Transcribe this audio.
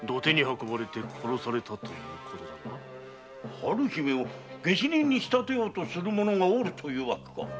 春姫を下手人に仕立てようとする者がおるというわけか？